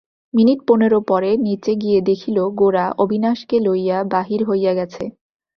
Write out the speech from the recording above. Minute পনেরো পরে নীচে গিয়া দেখিল গোরা অবিনাশকে লইয়া বাহির হইয়া গেছে।